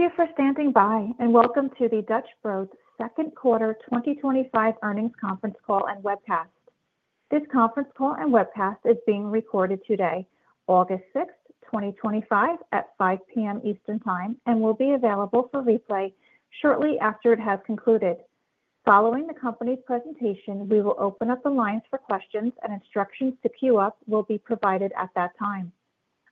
Thank you for standing by and welcome to the Dutch Bros' second quarter 2025 earnings conference call and webcast. This conference call and webcast is being recorded today, August 6, 2025, at 5:00 P.M. Eastern Time and will be available for replay shortly after it has concluded. Following the company's presentation, we will open up the lines for questions, and instructions to queue up will be provided at that time.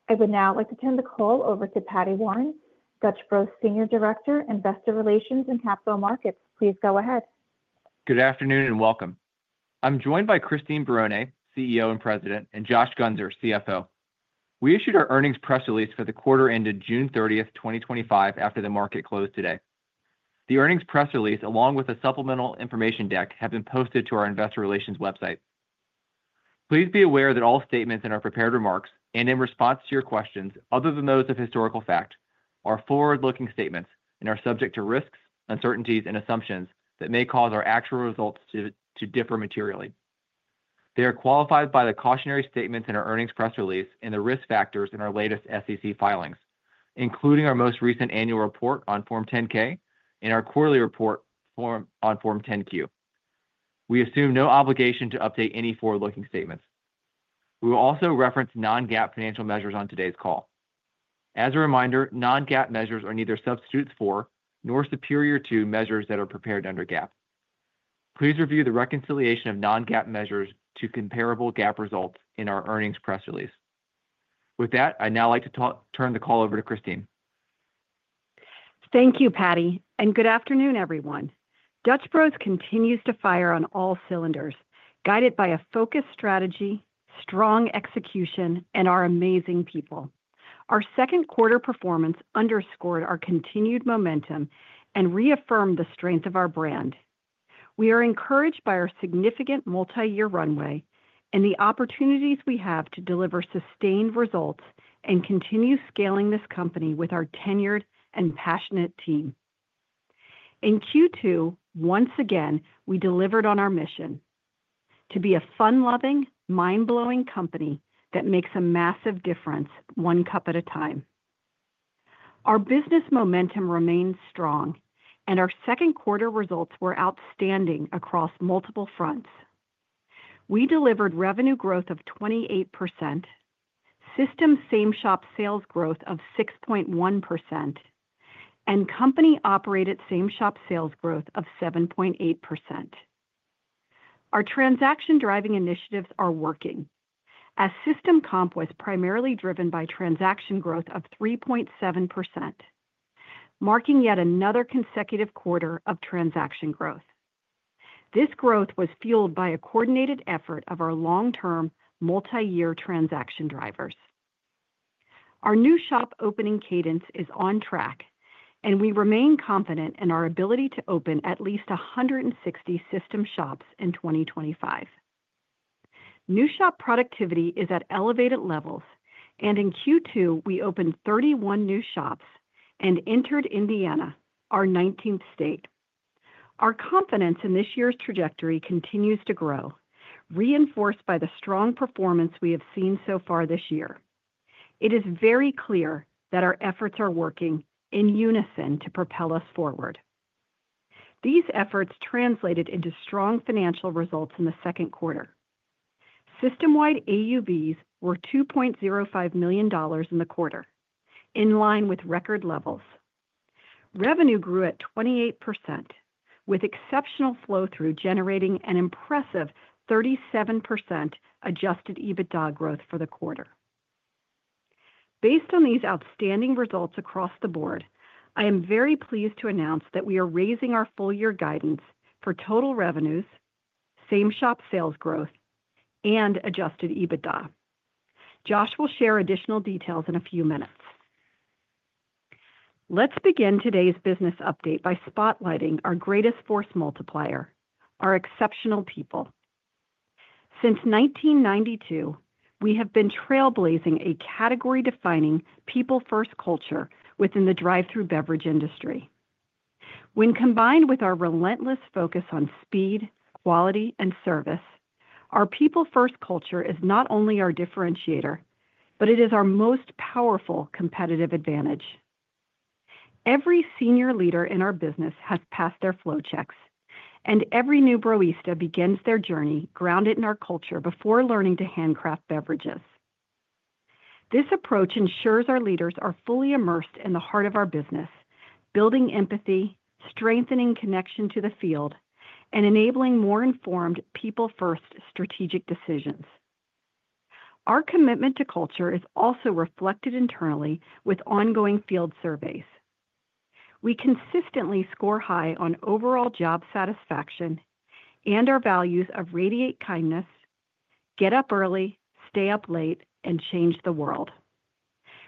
I would now like to turn the call over to Paddy Warren, Dutch Bros' Senior Director, Investor Relations and Capital Markets. Please go ahead. Good afternoon and welcome. I'm joined by Christine Barone, CEO and President, and Josh Guenser, CFO. We issued our earnings press release for the quarter ended June 30, 2025, after the market closed today. The earnings press release, along with a supplemental information deck, has been posted to our Investor Relations website. Please be aware that all statements in our prepared remarks and in response to your questions, other than those of historical fact, are forward-looking statements and are subject to risks, uncertainties, and assumptions that may cause our actual results to differ materially. They are qualified by the cautionary statements in our earnings press release and the risk factors in our latest SEC filings, including our most recent annual report on Form 10-K and our quarterly report on Form 10-Q. We assume no obligation to update any forward-looking statements. We will also reference non-GAAP financial measures on today's call. As a reminder, non-GAAP measures are neither substitutes for nor superior to measures that are prepared under GAAP. Please review the reconciliation of non-GAAP measures to comparable GAAP results in our earnings press release. With that, I'd now like to turn the call over to Christine. Thank you, Paddy, and good afternoon, everyone. Dutch Bros continues to fire on all cylinders, guided by a focused strategy, strong execution, and our amazing people. Our second quarter performance underscored our continued momentum and reaffirmed the strength of our brand. We are encouraged by our significant multi-year runway and the opportunities we have to deliver sustained results and continue scaling this company with our tenured and passionate team. In Q2, once again, we delivered on our mission: to be a fun-loving, mind-blowing company that makes a massive difference one cup at a time. Our business momentum remains strong, and our second quarter results were outstanding across multiple fronts. We delivered revenue growth of 28%, system same-shop sales growth of 6.1%, and company-operated same-shop sales growth of 7.8%. Our transaction-driving initiatives are working, as system comp was primarily driven by transaction growth of 3.7%, marking yet another consecutive quarter of transaction growth. This growth was fueled by a coordinated effort of our long-term, multi-year transaction drivers. Our new shop opening cadence is on track, and we remain confident in our ability to open at least 160 system shops in 2025. New shop productivity is at elevated levels, and in Q2, we opened 31 new shops and entered Indiana, our 19th state. Our confidence in this year's trajectory continues to grow, reinforced by the strong performance we have seen so far this year. It is very clear that our efforts are working in unison to propel us forward. These efforts translated into strong financial results in the second quarter. System-wide AUVs were $2.05 million in the quarter, in line with record levels. Revenue grew at 28%, with exceptional flow-through generating an impressive 37% Adjusted EBITDA growth for the quarter. Based on these outstanding results across the board, I am very pleased to announce that we are raising our full-year guidance for total revenues, same-shop sales growth, and Adjusted EBITDA. Josh will share additional details in a few minutes. Let's begin today's business update by spotlighting our greatest force multiplier: our exceptional people. Since 1992, we have been trailblazing a category-defining people-first culture within the drive-thru beverage industry. When combined with our relentless focus on speed, quality, and service, our people-first culture is not only our differentiator, but it is our most powerful competitive advantage. Every senior leader in our business has passed their flow checks, and every new barista begins their journey grounded in our culture before learning to handcraft beverages. This approach ensures our leaders are fully immersed in the heart of our business, building empathy, strengthening connection to the field, and enabling more informed, people-first strategic decisions. Our commitment to culture is also reflected internally with ongoing field surveys. We consistently score high on overall job satisfaction and our values of radiate kindness, get up early, stay up late, and change the world.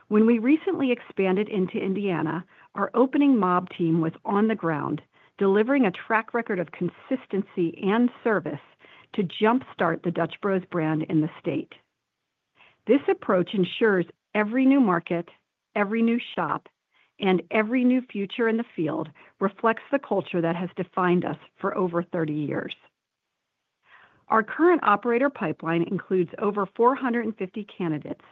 When we recently expanded into Indiana, our opening mob team was on the ground, delivering a track record of consistency and service to jumpstart the Dutch Bros brand in the state. This approach ensures every new market, every new shop, and every new future in the field reflects the culture that has defined us for over 30 years. Our current operator pipeline includes over 450 candidates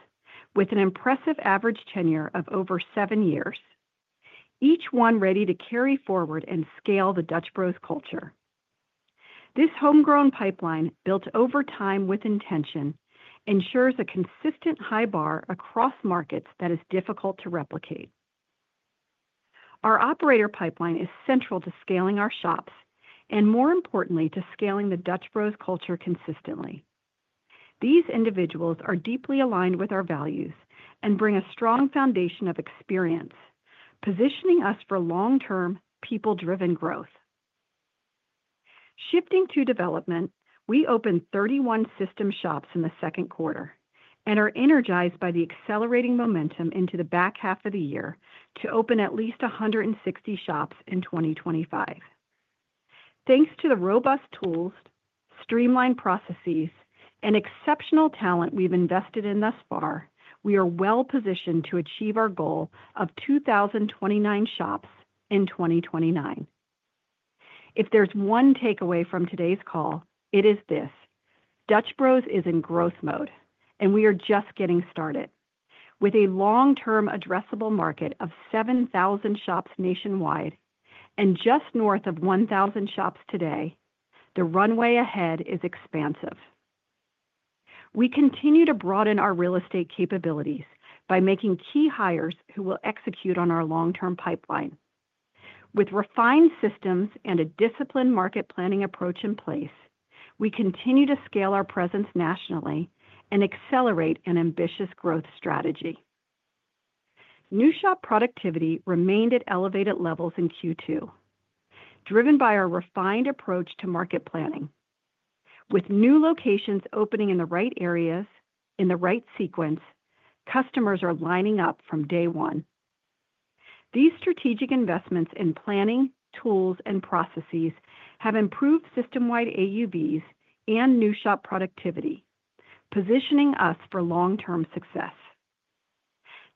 with an impressive average tenure of over seven years, each one ready to carry forward and scale the Dutch Bros culture. This homegrown pipeline, built over time with intention, ensures a consistent high bar across markets that is difficult to replicate. Our operator pipeline is central to scaling our shops and, more importantly, to scaling the Dutch Bros culture consistently. These individuals are deeply aligned with our values and bring a strong foundation of experience, positioning us for long-term, people-driven growth. Shifting to development, we opened 31 system shops in the second quarter and are energized by the accelerating momentum into the back half of the year to open at least 160 shops in 2025. Thanks to the robust tools, streamlined processes, and exceptional talent we've invested in thus far, we are well positioned to achieve our goal of 2,029 shops in 2029. If there's one takeaway from today's call, it is this: Dutch Bros is in growth mode, and we are just getting started. With a long-term, addressable market of 7,000 shops nationwide and just north of 1,000 shops today, the runway ahead is expansive. We continue to broaden our real estate capabilities by making key hires who will execute on our long-term pipeline. With refined systems and a disciplined market planning approach in place, we continue to scale our presence nationally and accelerate an ambitious growth strategy. New shop productivity remained at elevated levels in Q2, driven by our refined approach to market planning. With new locations opening in the right areas, in the right sequence, customers are lining up from day one. These strategic investments in planning, tools, and processes have improved system-wide AUVs and new shop productivity, positioning us for long-term success.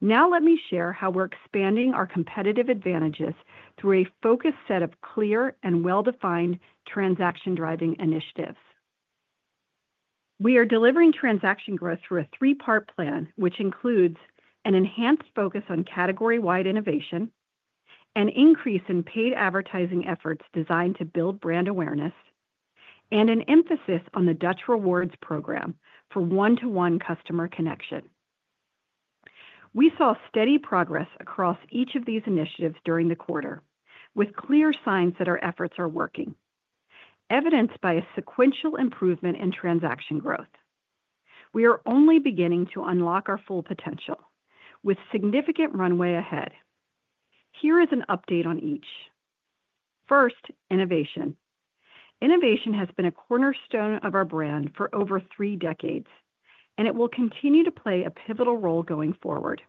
Now let me share how we're expanding our competitive advantages through a focused set of clear and well-defined transaction-driving initiatives. We are delivering transaction growth through a three-part plan, which includes an enhanced focus on category-wide innovation, an increase in paid advertising efforts designed to build brand awareness, and an emphasis on the Dutch Rewards program for one-to-one customer connection. We saw steady progress across each of these initiatives during the quarter, with clear signs that our efforts are working, evidenced by a sequential improvement in transaction growth. We are only beginning to unlock our full potential, with significant runway ahead. Here is an update on each. First, innovation. Innovation has been a cornerstone of our brand for over three decades, and it will continue to play a pivotal role going forward.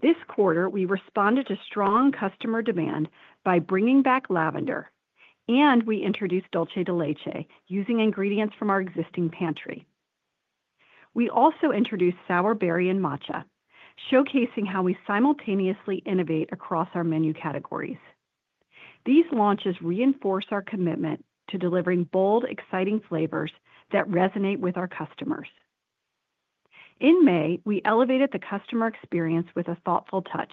This quarter, we responded to strong customer demand by bringing back lavender, and we introduced Dulce de Leche using ingredients from our existing pantry. We also introduced sour berry and matcha, showcasing how we simultaneously innovate across our menu categories. These launches reinforce our commitment to delivering bold, exciting flavors that resonate with our customers. In May, we elevated the customer experience with a thoughtful touch,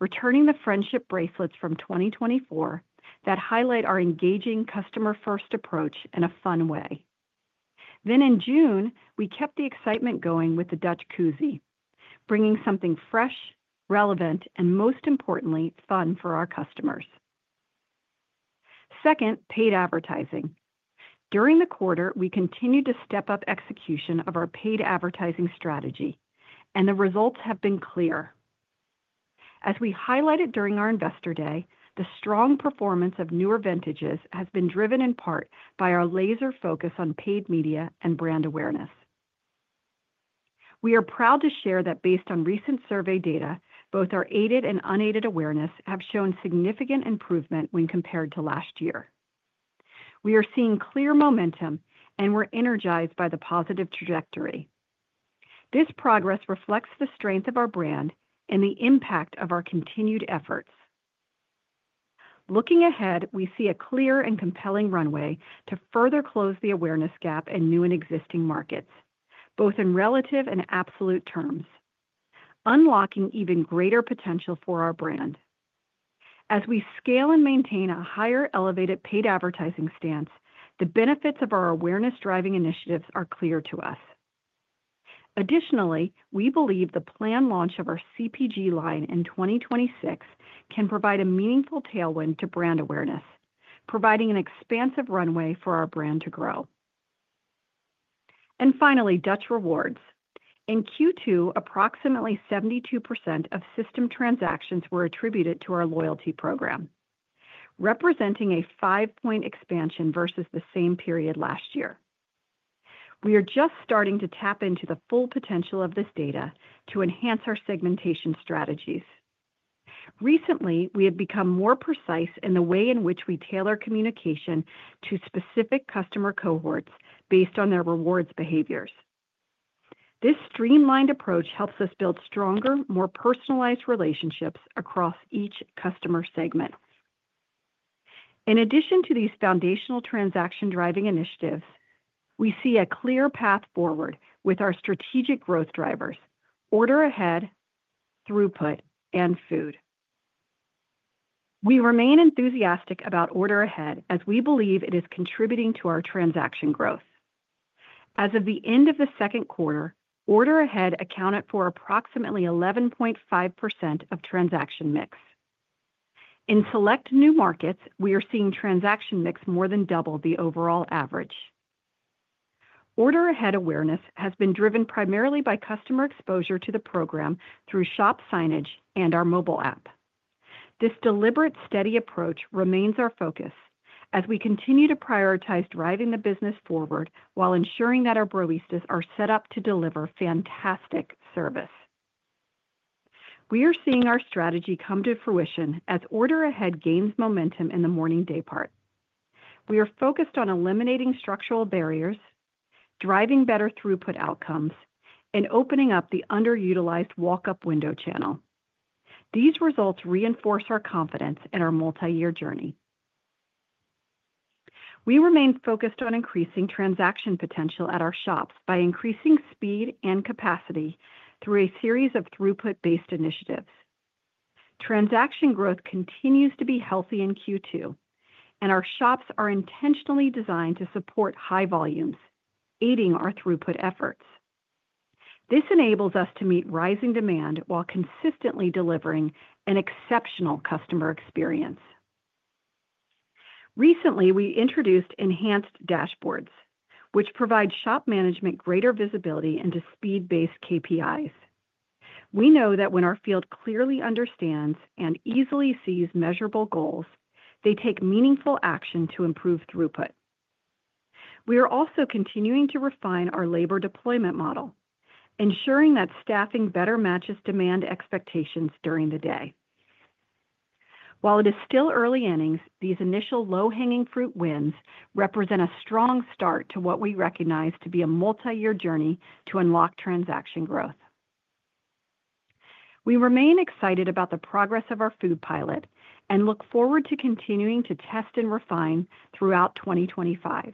returning the friendship bracelets from 2024 that highlight our engaging, customer-first approach in a fun way. In June, we kept the excitement going with the Dutch Koozie, bringing something fresh, relevant, and most importantly, fun for our customers. Second, paid advertising. During the quarter, we continued to step up execution of our paid advertising strategy, and the results have been clear. As we highlighted during our Investor Day, the strong performance of newer vintages has been driven in part by our laser focus on paid media and brand awareness. We are proud to share that based on recent survey data, both our aided and unaided awareness have shown significant improvement when compared to last year. We are seeing clear momentum, and we're energized by the positive trajectory. This progress reflects the strength of our brand and the impact of our continued efforts. Looking ahead, we see a clear and compelling runway to further close the awareness gap in new and existing markets, both in relative and absolute terms, unlocking even greater potential for our brand. As we scale and maintain a higher, elevated paid advertising stance, the benefits of our awareness-driving initiatives are clear to us. Additionally, we believe the planned launch of our CPG line in 2026 can provide a meaningful tailwind to brand awareness, providing an expansive runway for our brand to grow. Finally, Dutch Rewards. In Q2, approximately 72% of system transactions were attributed to our loyalty program, representing a five-point expansion versus the same period last year. We are just starting to tap into the full potential of this data to enhance our segmentation strategies. Recently, we have become more precise in the way in which we tailor communication to specific customer cohorts based on their rewards behaviors. This streamlined approach helps us build stronger, more personalized relationships across each customer segment. In addition to these foundational transaction-driving initiatives, we see a clear path forward with our strategic growth drivers: order ahead, throughput, and food. We remain enthusiastic about order ahead as we believe it is contributing to our transaction growth. As of the end of the second quarter, order ahead accounted for approximately 11.5% of transaction mix. In select new markets, we are seeing transaction mix more than double the overall average. Order ahead awareness has been driven primarily by customer exposure to the program through shop signage and our mobile app. This deliberate, steady approach remains our focus as we continue to prioritize driving the business forward while ensuring that our baristas are set up to deliver fantastic service. We are seeing our strategy come to fruition as order ahead gains momentum in the morning day part. We are focused on eliminating structural barriers, driving better throughput outcomes, and opening up the underutilized walk-up window channel. These results reinforce our confidence in our multi-year journey. We remain focused on increasing transaction potential at our shops by increasing speed and capacity through a series of throughput-based initiatives. Transaction growth continues to be healthy in Q2, and our shops are intentionally designed to support high volumes, aiding our throughput efforts. This enables us to meet rising demand while consistently delivering an exceptional customer experience. Recently, we introduced enhanced dashboards, which provide shop management greater visibility into speed-based KPIs. We know that when our field clearly understands and easily sees measurable goals, they take meaningful action to improve throughput. We are also continuing to refine our labor deployment model, ensuring that staffing better matches demand expectations during the day. While it is still early innings, these initial low-hanging fruit wins represent a strong start to what we recognize to be a multi-year journey to unlock transaction growth. We remain excited about the progress of our food pilot and look forward to continuing to test and refine throughout 2025.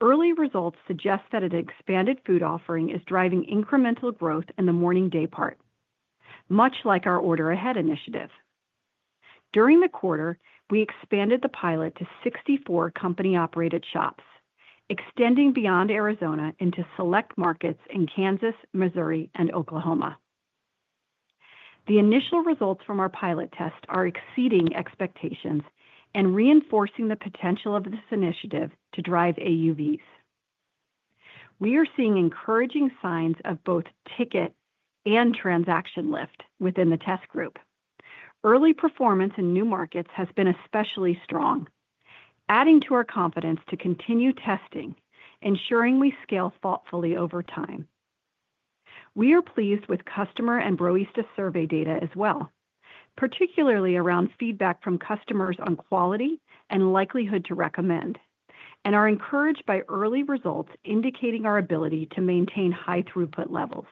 Early results suggest that an expanded food offering is driving incremental growth in the morning day part, much like our order ahead initiative. During the quarter, we expanded the pilot to 64 company-operated shops, extending beyond Arizona into select markets in Kansas, Missouri, and Oklahoma. The initial results from our pilot test are exceeding expectations and reinforcing the potential of this initiative to drive AUVs. We are seeing encouraging signs of both ticket and transaction lift within the test group. Early performance in new markets has been especially strong, adding to our confidence to continue testing, ensuring we scale thoughtfully over time. We are pleased with customer and barista survey data as well, particularly around feedback from customers on quality and likelihood to recommend, and are encouraged by early results indicating our ability to maintain high throughput levels.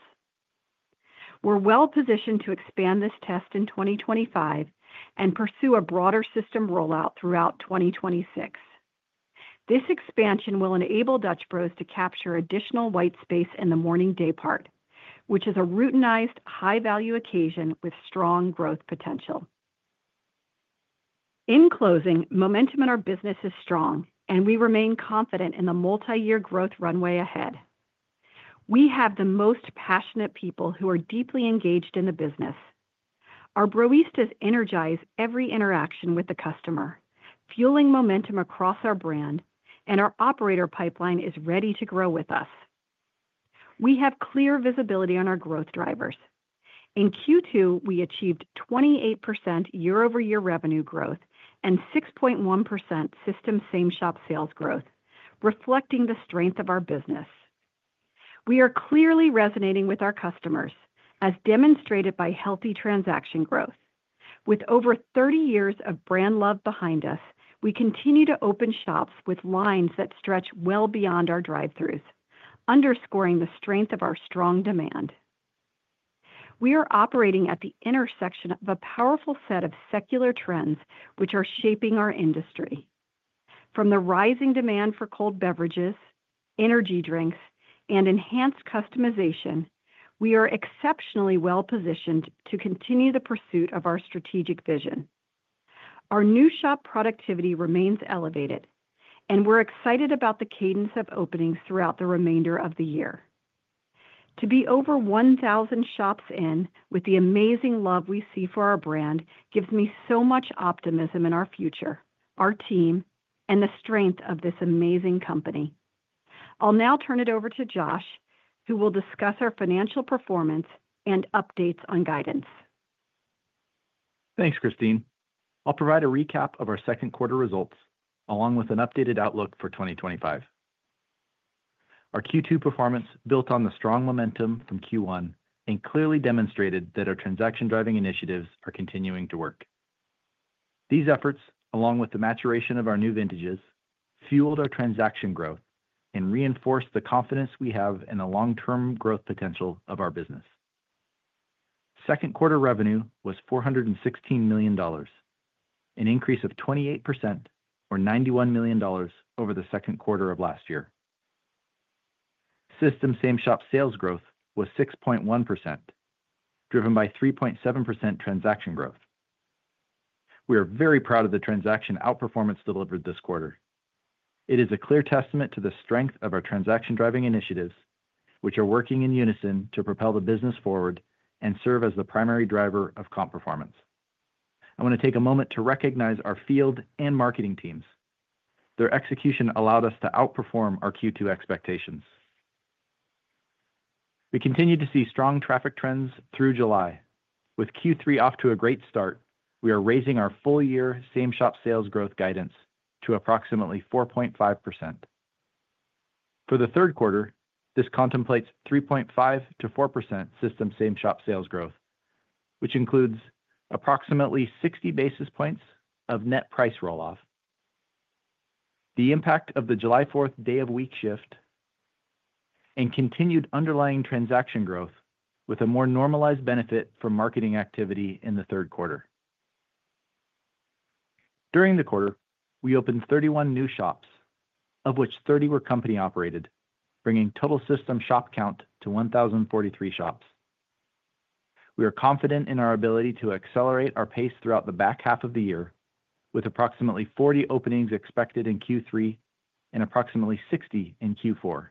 We're well positioned to expand this test in 2025 and pursue a broader system rollout throughout 2026. This expansion will enable Dutch Bros to capture additional white space in the morning day part, which is a routinized high-value occasion with strong growth potential. In closing, momentum in our business is strong, and we remain confident in the multi-year growth runway ahead. We have the most passionate people who are deeply engaged in the business. Our baristas energize every interaction with the customer, fueling momentum across our brand, and our operator pipeline is ready to grow with us. We have clear visibility on our growth drivers. In Q2, we achieved 28% year-over-year revenue growth and 6.1% system same-shop sales growth, reflecting the strength of our business. We are clearly resonating with our customers, as demonstrated by healthy transaction growth. With over 30 years of brand love behind us, we continue to open shops with lines that stretch well beyond our drive-thrus, underscoring the strength of our strong demand. We are operating at the intersection of a powerful set of secular trends, which are shaping our industry. From the rising demand for cold beverages, energy drinks, and enhanced customization, we are exceptionally well positioned to continue the pursuit of our strategic vision. Our new shop productivity remains elevated, and we're excited about the cadence of openings throughout the remainder of the year. To be over 1,000 shops in with the amazing love we see for our brand gives me so much optimism in our future, our team, and the strength of this amazing company. I'll now turn it over to Josh, who will discuss our financial performance and updates on guidance. Thanks, Christine. I'll provide a recap of our second quarter results, along with an updated outlook for 2025. Our Q2 performance built on the strong momentum from Q1 and clearly demonstrated that our transaction-driving initiatives are continuing to work. These efforts, along with the maturation of our new vintages, fueled our transaction growth and reinforced the confidence we have in the long-term growth potential of our business. Second quarter revenue was $416 million, an increase of 28% or $91 million over the second quarter of last year. System same-shop sales growth was 6.1%, driven by 3.7% transaction growth. We are very proud of the transaction outperformance delivered this quarter. It is a clear testament to the strength of our transaction-driving initiatives, which are working in unison to propel the business forward and serve as the primary driver of comp performance. I want to take a moment to recognize our field and marketing teams. Their execution allowed us to outperform our Q2 expectations. We continue to see strong traffic trends through July. With Q3 off to a great start, we are raising our full-year same-shop sales growth guidance to approximately 4.5%. For the third quarter, this contemplates 3.5%-4% system same-shop sales growth, which includes approximately 60 basis points of net price roll-off, the impact of the July 4th day-of-week shift, and continued underlying transaction growth, with a more normalized benefit from marketing activity in the third quarter. During the quarter, we opened 31 new shops, of which 30 were company-operated, bringing total system shop count to 1,043 shops. We are confident in our ability to accelerate our pace throughout the back half of the year, with approximately 40 openings expected in Q3 and approximately 60 in Q4,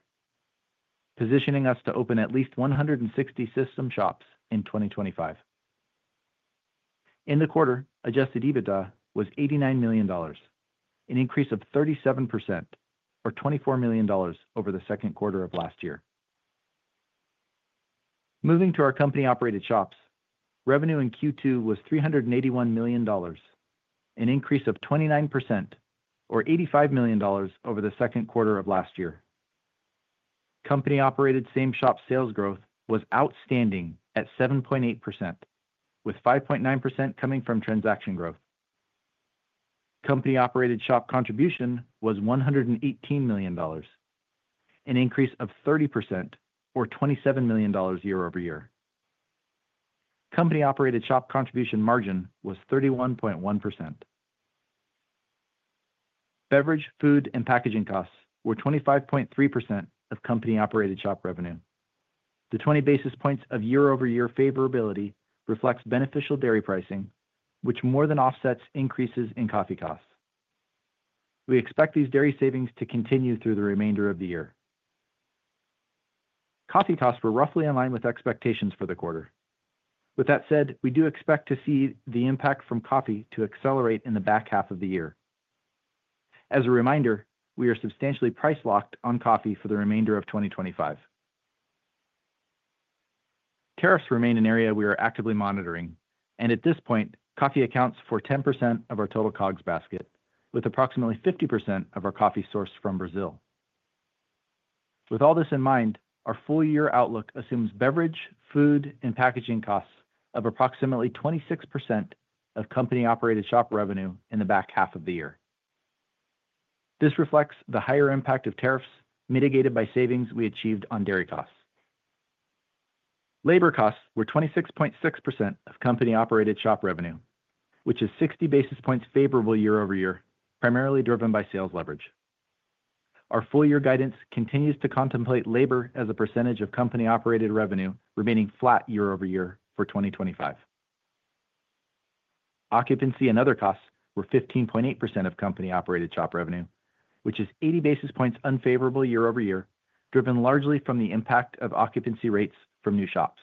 positioning us to open at least 160 system shops in 2025. In the quarter, Adjusted EBITDA was $89 million, an increase of 37% or $24 million over the second quarter of last year. Moving to our company-operated shops, revenue in Q2 was $381 million, an increase of 29% or $85 million over the second quarter of last year. Company-operated same-shop sales growth was outstanding at 7.8%, with 5.9% coming from transaction growth. Company-operated shop contribution was $118 million, an increase of 30% or $27 million year-over-year. Company-operated shop contribution margin was 31.1%. Beverage, food, and packaging costs were 25.3% of company-operated shop revenue. The 20 basis points of year-over-year favorability reflects beneficial dairy pricing, which more than offsets increases in coffee costs. We expect these dairy savings to continue through the remainder of the year. Coffee costs were roughly in line with expectations for the quarter. With that said, we do expect to see the impact from coffee to accelerate in the back half of the year. As a reminder, we are substantially price-locked on coffee for the remainder of 2025. Tariffs remain an area we are actively monitoring, and at this point, coffee accounts for 10% of our total COGS basket, with approximately 50% of our coffee sourced from Brazil. With all this in mind, our full-year outlook assumes beverage, food, and packaging costs of approximately 26% of company-operated shop revenue in the back half of the year. This reflects the higher impact of tariffs mitigated by savings we achieved on dairy costs. Labor costs were 26.6% of company-operated shop revenue, which is 60 basis points favorable year-over-year, primarily driven by sales leverage. Our full-year guidance continues to contemplate labor as a percentage of company-operated revenue remaining flat year-over-year for 2025. Occupancy and other costs were 15.8% of company-operated shop revenue, which is 80 basis points unfavorable year-over-year, driven largely from the impact of occupancy rates from new shops.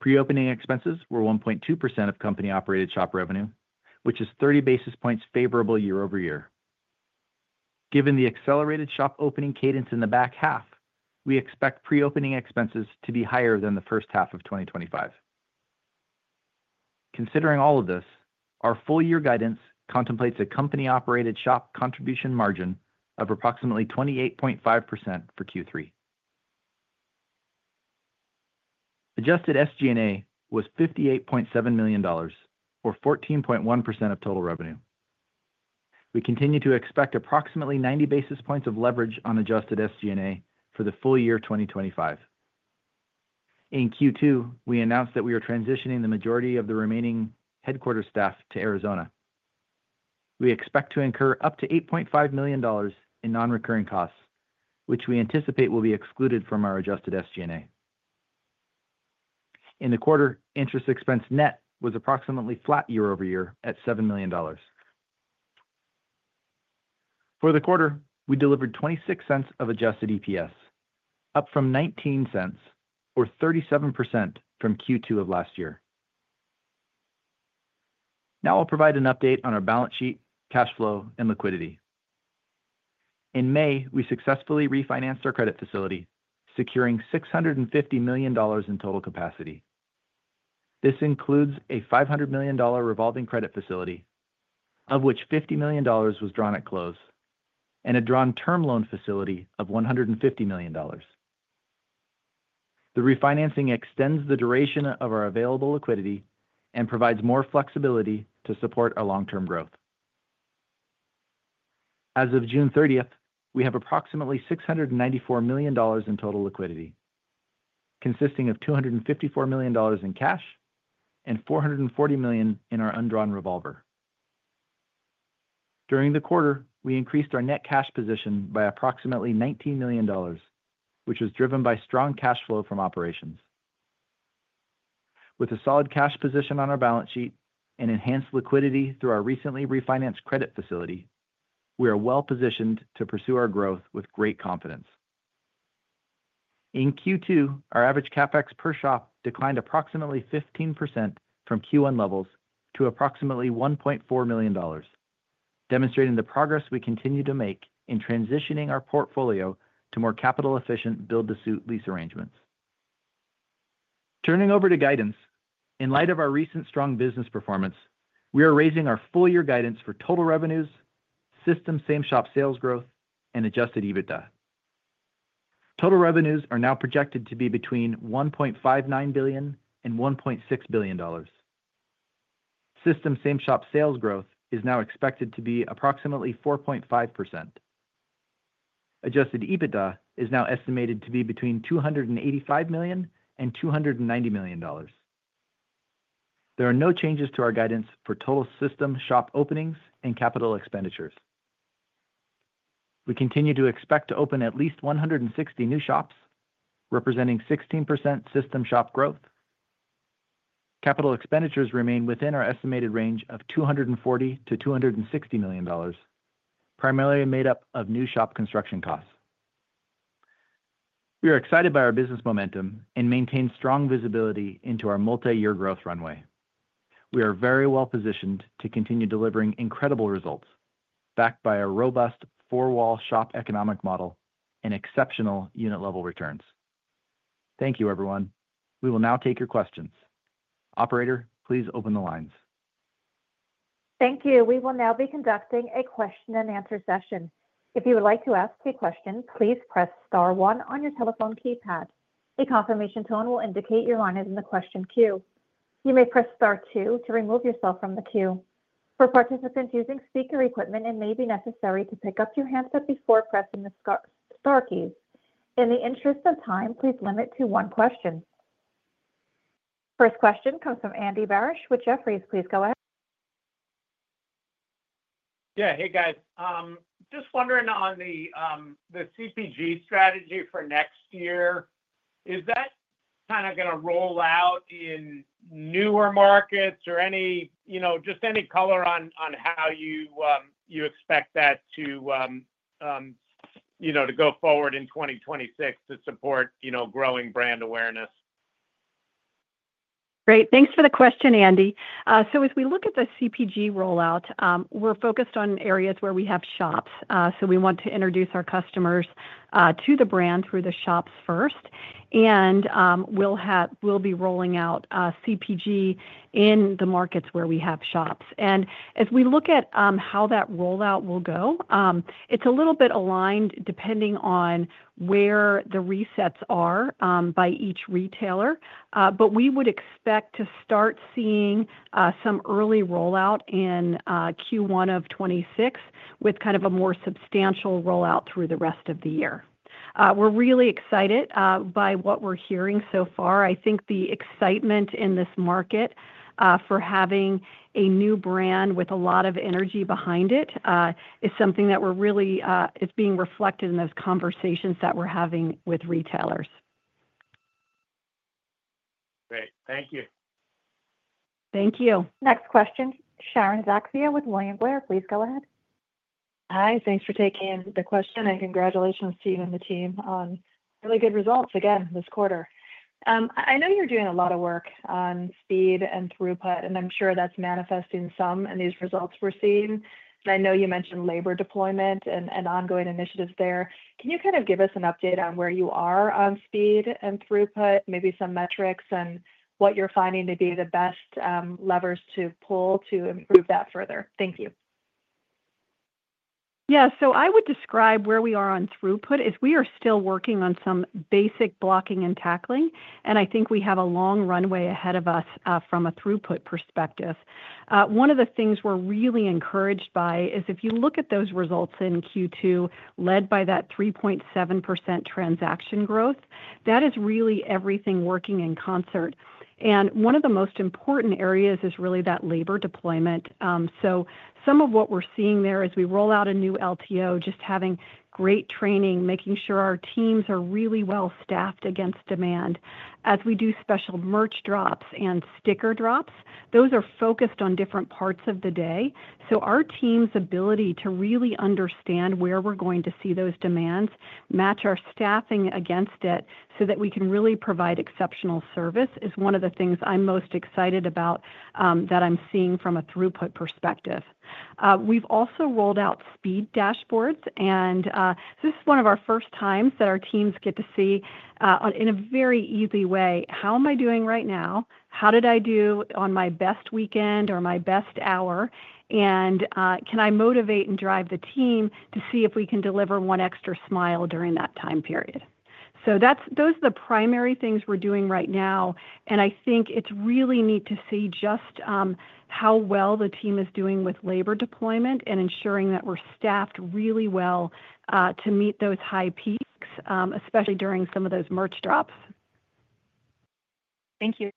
Pre-opening expenses were 1.2% of company-operated shop revenue, which is 30 basis points favorable year-over-year. Given the accelerated shop opening cadence in the back half, we expect pre-opening expenses to be higher than the first half of 2025. Considering all of this, our full-year guidance contemplates a company-operated shop contribution margin of approximately 28.5% for Q3. Adjusted SG&A was $58.7 million, or 14.1% of total revenue. We continue to expect approximately 90 basis points of leverage on Adjusted SG&A for the full year 2025. In Q2, we announced that we are transitioning the majority of the remaining headquarters staff to Arizona. We expect to incur up to $8.5 million in non-recurring costs, which we anticipate will be excluded from our Adjusted SG&A. In the quarter, interest expense net was approximately flat year-over-year at $7 million. For the quarter, we delivered $0.26 of Adjusted EPS, up from $0.19 or 37% from Q2 of last year. Now I'll provide an update on our balance sheet, cash flow, and liquidity. In May, we successfully refinanced our credit facility, securing $650 million in total capacity. This includes a $500 million revolving credit facility, of which $50 million was drawn at close, and a drawn-term loan facility of $150 million. The refinancing extends the duration of our available liquidity and provides more flexibility to support our long-term growth. As of June 30, we have approximately $694 million in total liquidity, consisting of $254 million in cash and $440 million in our undrawn revolver. During the quarter, we increased our net cash position by approximately $19 million, which was driven by strong cash flow from operations. With a solid cash position on our balance sheet and enhanced liquidity through our recently refinanced credit facility, we are well positioned to pursue our growth with great confidence. In Q2, our average CapEx per shop declined approximately 15% from Q1 levels to approximately $1.4 million, demonstrating the progress we continue to make in transitioning our portfolio to more capital-efficient build-to-suit lease arrangements. Turning over to guidance, in light of our recent strong business performance, we are raising our full-year guidance for total revenues, system same-shop sales growth, and Adjusted EBITDA. Total revenues are now projected to be between $1.59 billion and $1.6 billion. System same-shop sales growth is now expected to be approximately 4.5%. Adjusted EBITDA is now estimated to be between $285 million and $290 million. There are no changes to our guidance for total system shop openings and capital expenditures. We continue to expect to open at least 160 new shops, representing 16% system shop growth. Capital expenditures remain within our estimated range of $240 million-$260 million, primarily made up of new shop construction costs. We are excited by our business momentum and maintain strong visibility into our multi-year growth runway. We are very well positioned to continue delivering incredible results, backed by a robust four-wall shop economic model and exceptional unit-level returns. Thank you, everyone. We will now take your questions. Operator, please open the lines. Thank you. We will now be conducting a question and answer session. If you would like to ask a question, please press star one on your telephone keypad. A confirmation tone will indicate your line is in the question queue. You may press star two to remove yourself from the queue. For participants using speaker equipment, it may be necessary to pick up your handset before pressing the star key. In the interest of time, please limit to one question. First question comes from Andy Barish with Jefferies. Please go ahead. Yeah. Hey, guys. Just wondering on the CPG strategy for next year. Is that kind of going to roll out in newer markets or any, you know, just any color on how you expect that to go forward in 2026 to support growing brand awareness? Great. Thanks for the question, Andy. As we look at the CPG rollout, we're focused on areas where we have shops. We want to introduce our customers to the brand through the shops first. We'll be rolling out CPG in the markets where we have shops. As we look at how that rollout will go, it's a little bit aligned depending on where the resets are by each retailer. We would expect to start seeing some early rollout in Q1 of 2026, with kind of a more substantial rollout through the rest of the year. We're really excited by what we're hearing so far. I think the excitement in this market for having a new brand with a lot of energy behind it is something that is being reflected in those conversations that we're having with retailers. Great, thank you. Thank you. Next question, Sharon Zackfia with William Blair. Please go ahead. Hi. Thanks for taking the question, and congratulations to you and the team on really good results again this quarter. I know you're doing a lot of work on speed and throughput, and I'm sure that's manifesting some in these results we're seeing. I know you mentioned labor deployment and ongoing initiatives there. Can you kind of give us an update on where you are on speed and throughput, maybe some metrics, and what you're finding to be the best levers to pull to improve that further? Thank you. Yeah. I would describe where we are on throughput is we are still working on some basic blocking and tackling, and I think we have a long runway ahead of us from a throughput perspective. One of the things we're really encouraged by is if you look at those results in Q2, led by that 3.7% transaction growth, that is really everything working in concert. One of the most important areas is really that labor deployment. Some of what we're seeing there is we roll out a new LTO, just having great training, making sure our teams are really well staffed against demand. As we do special merch drops and sticker drops, those are focused on different parts of the day. Our team's ability to really understand where we're going to see those demands, match our staffing against it so that we can really provide exceptional service is one of the things I'm most excited about that I'm seeing from a throughput perspective. We've also rolled out speed dashboards, and this is one of our first times that our teams get to see, in a very easy way, how am I doing right now? How did I do on my best weekend or my best hour? Can I motivate and drive the team to see if we can deliver one extra smile during that time period? Those are the primary things we're doing right now. I think it's really neat to see just how well the team is doing with labor deployment and ensuring that we're staffed really well to meet those high peaks, especially during some of those merch drops. Thank you.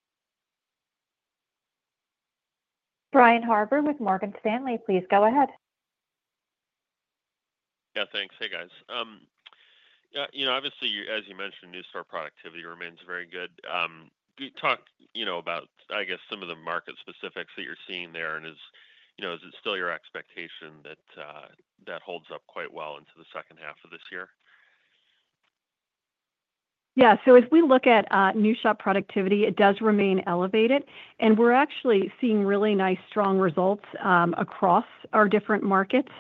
Brian Harbour with Morgan Stanley. Please go ahead. Yeah. Thanks. Hey, guys. You know, obviously, as you mentioned, new store productivity remains very good. Can you talk about, I guess, some of the market specifics that you're seeing there? Is it still your expectation that that holds up quite well into the second half of this year? Yeah. As we look at new shop productivity, it does remain elevated, and we're actually seeing really nice, strong results across our different markets.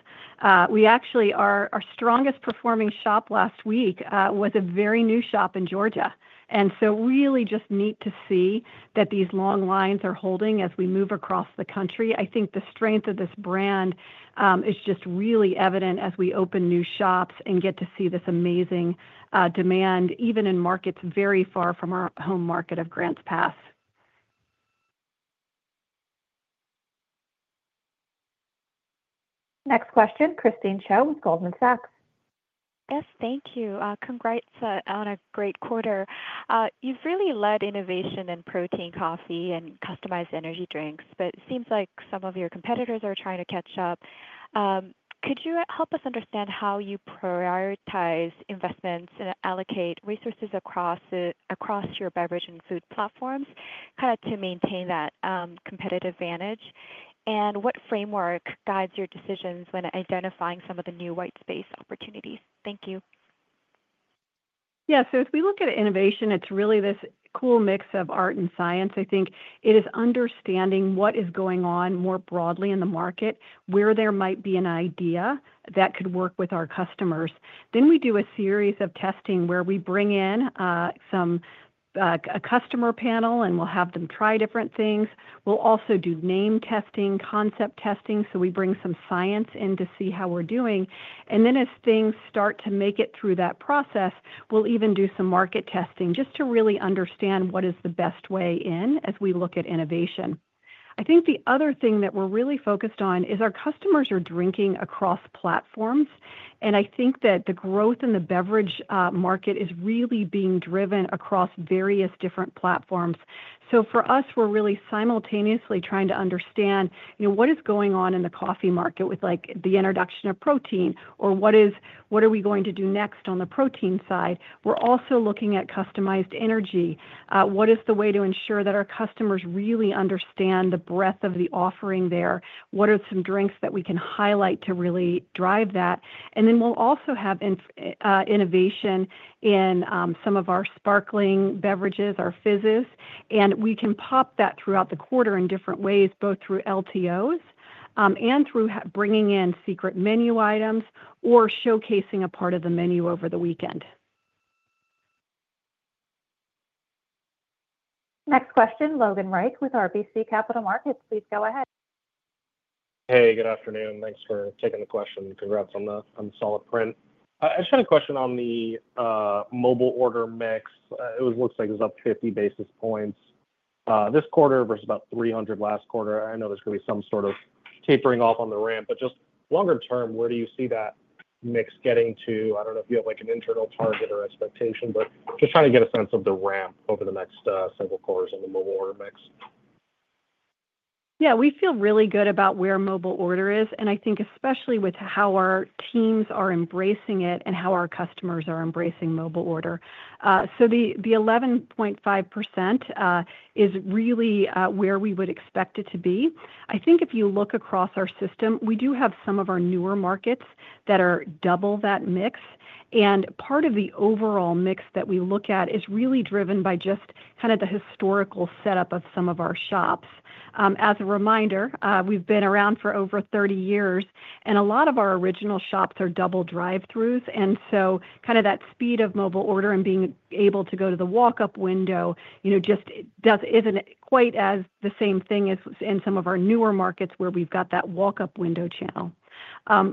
Our strongest performing shop last week was a very new shop in Georgia. It's really just neat to see that these long lines are holding as we move across the country. I think the strength of this brand is just really evident as we open new shops and get to see this amazing demand, even in markets very far from our home market of Grants Pass. Next question, Christine Cho with Goldman Sachs. Yes. Thank you. Congrats on a great quarter. You've really led innovation in protein coffee and customized energy drinks, but it seems like some of your competitors are trying to catch up. Could you help us understand how you prioritize investments and allocate resources across your beverage and food platforms to maintain that competitive advantage? What framework guides your decisions when identifying some of the new white space opportunities? Thank you. Yeah. As we look at innovation, it's really this cool mix of art and science. I think it is understanding what is going on more broadly in the market, where there might be an idea that could work with our customers. We do a series of testing where we bring in a customer panel, and we'll have them try different things. We also do name testing, concept testing, so we bring some science in to see how we're doing. As things start to make it through that process, we'll even do some market testing just to really understand what is the best way in as we look at innovation. I think the other thing that we're really focused on is our customers are drinking across platforms. I think that the growth in the beverage market is really being driven across various different platforms. For us, we're really simultaneously trying to understand what is going on in the coffee market with, like, the introduction of protein, or what are we going to do next on the protein side. We're also looking at customized energy. What is the way to ensure that our customers really understand the breadth of the offering there? What are some drinks that we can highlight to really drive that? We'll also have innovation in some of our sparkling beverages, our fizzes. We can pop that throughout the quarter in different ways, both through LTOs and through bringing in secret menu items or showcasing a part of the menu over the weekend. Next question, Logan Reich with RBC Capital Markets. Please go ahead. Hey, good afternoon. Thanks for taking the question. Congrats on the solid print. I just had a question on the mobile order mix. It looks like it's up 50 basis points this quarter versus about 300 last quarter. I know there's going to be some sort of tapering off on the ramp, but just longer term, where do you see that mix getting to? I don't know if you have, like, an internal target or expectation, but just trying to get a sense of the ramp over the next several quarters in the mobile order mix. Yeah. We feel really good about where mobile order is, and I think especially with how our teams are embracing it and how our customers are embracing mobile order. The 11.5% is really where we would expect it to be. I think if you look across our system, we do have some of our newer markets that are double that mix. Part of the overall mix that we look at is really driven by just kind of the historical setup of some of our shops. As a reminder, we've been around for over 30 years, and a lot of our original shops are double drive-thrus. That speed of mobile order and being able to go to the walk-up window just doesn't quite do the same thing as in some of our newer markets where we've got that walk-up window channel.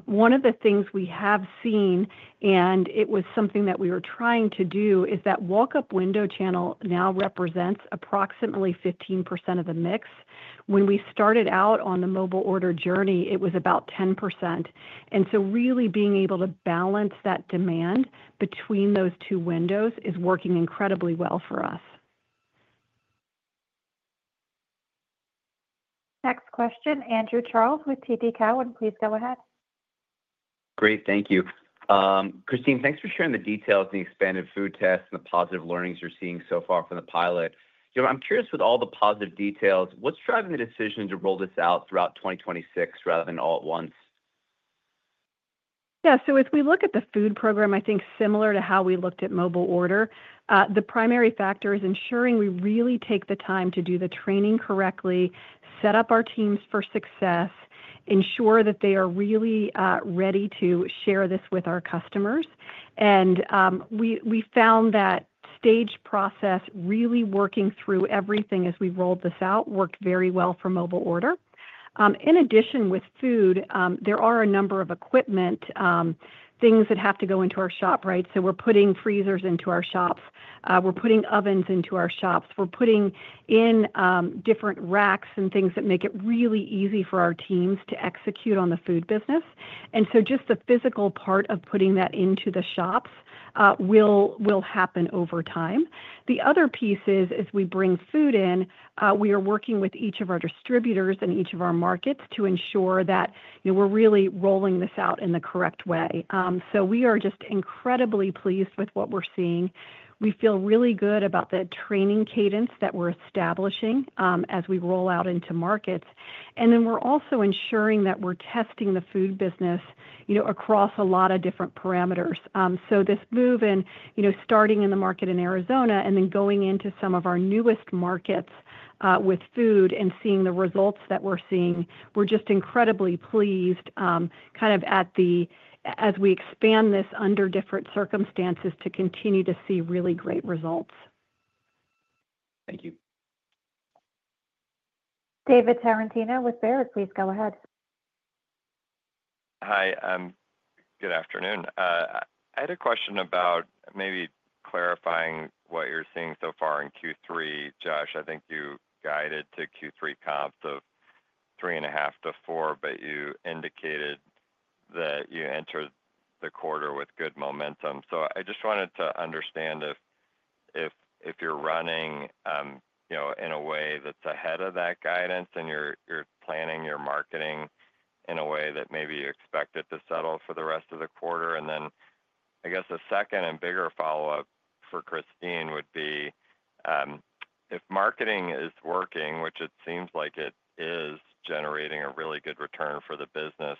One of the things we have seen, and it was something that we were trying to do, is that walk-up window channel now represents approximately 15% of the mix. When we started out on the mobile order journey, it was about 10%. Really being able to balance that demand between those two windows is working incredibly well for us. Next question, Andrew Charles with TD Cowen. Please go ahead. Great. Thank you. Christine, thanks for sharing the details of the expanded food test and the positive learnings you're seeing so far from the pilot. I'm curious, with all the positive details, what's driving the decision to roll this out throughout 2026 rather than all at once? Yeah. As we look at the food program, I think similar to how we looked at mobile order, the primary factor is ensuring we really take the time to do the training correctly, set up our teams for success, ensure that they are really ready to share this with our customers. We found that stage process, really working through everything as we rolled this out, worked very well for mobile order. In addition, with food, there are a number of equipment things that have to go into our shop, right? We're putting freezers into our shops, we're putting ovens into our shops, we're putting in different racks and things that make it really easy for our teams to execute on the food business. Just the physical part of putting that into the shops will happen over time. The other piece is, as we bring food in, we are working with each of our distributors in each of our markets to ensure that we're really rolling this out in the correct way. We are just incredibly pleased with what we're seeing. We feel really good about the training cadence that we're establishing as we roll out into markets. We're also ensuring that we're testing the food business across a lot of different parameters. This move, starting in the market in Arizona and then going into some of our newest markets with food and seeing the results that we're seeing, we're just incredibly pleased as we expand this under different circumstances to continue to see really great results. Thank you. David Tarantino with Baird. Please go ahead. Hi. Good afternoon. I had a question about maybe clarifying what you're seeing so far in Q3. Josh, I think you guided to Q3 comps of 3.5%-4%, but you indicated that you entered the quarter with good momentum. I just wanted to understand if you're running in a way that's ahead of that guidance and you're planning your marketing in a way that maybe you expect it to settle for the rest of the quarter. I guess a second and bigger follow-up for Christine would be, if marketing is working, which it seems like it is generating a really good return for the business,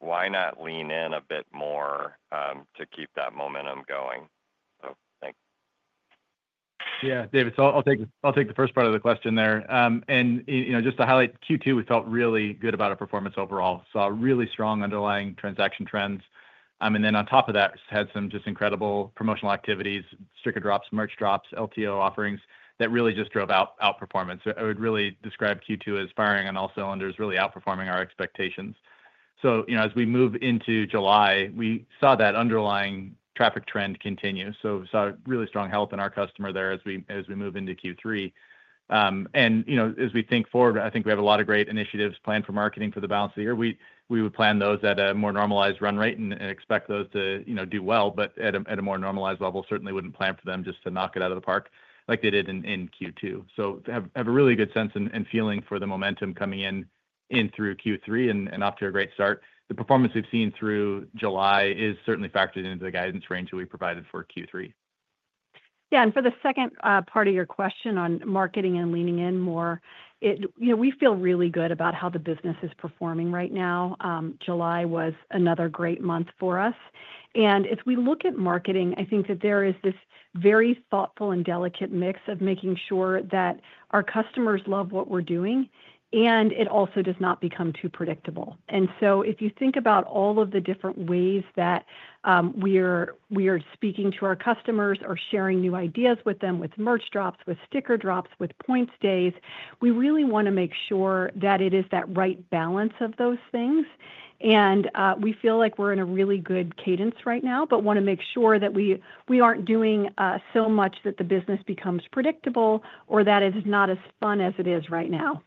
why not lean in a bit more to keep that momentum going? Thanks. Yeah, David. I'll take the first part of the question there. You know, just to highlight Q2, we felt really good about our performance overall. Saw really strong underlying transaction trends, and then on top of that, had some just incredible promotional activities, sticker drops, merch drops, LTO offerings that really just drove outperformance. I would really describe Q2 as firing on all cylinders, really outperforming our expectations. As we move into July, we saw that underlying traffic trend continue. We saw really strong help in our customer there as we move into Q3. As we think forward, I think we have a lot of great initiatives planned for marketing for the balance of the year. We would plan those at a more normalized run rate and expect those to do well, but at a more normalized level, certainly wouldn't plan for them just to knock it out of the park like they did in Q2. We have a really good sense and feeling for the momentum coming in through Q3 and off to a great start. The performance we've seen through July is certainly factored into the guidance range that we provided for Q3. Yeah. For the second part of your question on marketing and leaning in more, we feel really good about how the business is performing right now. July was another great month for us. As we look at marketing, I think that there is this very thoughtful and delicate mix of making sure that our customers love what we're doing, and it also does not become too predictable. If you think about all of the different ways that we are speaking to our customers or sharing new ideas with them, with merch drops, with sticker drops, with points days, we really want to make sure that it is that right balance of those things. We feel like we're in a really good cadence right now, but want to make sure that we aren't doing so much that the business becomes predictable or that it is not as fun as it is right now.